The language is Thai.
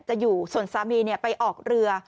จะอยู่ส่วนสามีไปออกเรือ